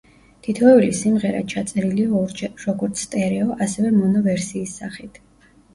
თითოეული სიმღერა ჩაწერილია ორჯერ, როგორც სტერეო, ასევე მონო ვერსიის სახით.